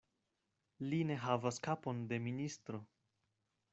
Li ne havas kapon de ministro.